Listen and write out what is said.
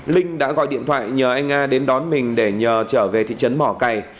linh đã gọi điện thoại nhờ anh nga đến đón mình để nhờ trở về thị trấn mỏ cày